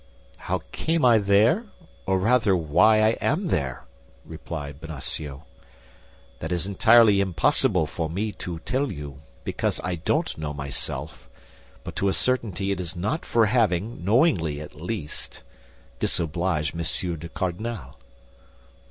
"How I came there, or rather why I am there," replied Bonacieux, "that is entirely impossible for me to tell you, because I don't know myself; but to a certainty it is not for having, knowingly at least, disobliged Monsieur the Cardinal."